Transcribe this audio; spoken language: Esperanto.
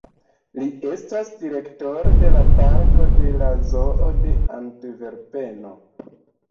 Li estas direktoro de la parko de la Zoo de Antverpeno.